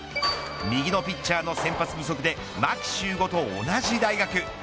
右のピッチャーの先発不足で牧秀悟と同じ大学。